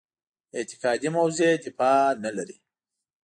اعتقادي موضع دفاع دلیل نه لري.